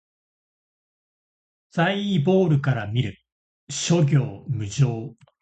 アサイーボウルから見る！諸行無常